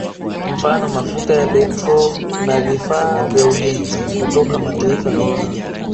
Mfano mafuta ya Petroli na vifaa vya ujenzi kutoka mataifa mengine